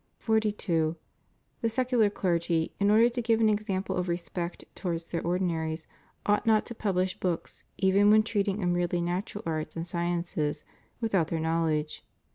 42. The secular clergy, in order to give an example of respect towards their ordinaries, ought not to publish books, even when treating of merely natural arts and sciences, without their knowledge.